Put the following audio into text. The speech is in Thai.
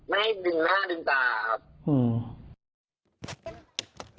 ไม่ให้ดึงหน้าดึงตาครับอืม